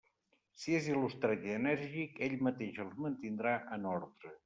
Si és il·lustrat i enèrgic, ell mateix els mantindrà en ordre.